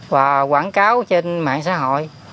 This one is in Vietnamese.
và quảng cáo trên mạng xã hội